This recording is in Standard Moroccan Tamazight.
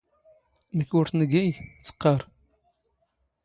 ⵎⴽ ⵓⵔ ⵜⵏⴳⵉⵢ, ⵜⵇⵇⴰⵔ